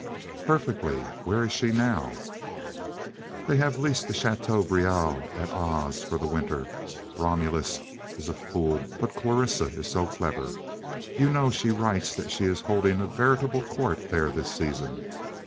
"Perfectly. Where is she now?" "They have leased the Chateau Brieul at Ars for the winter. Romulus is a fool, but Clarissa is so clever. You know she writes that she is holding a veritable court there this season.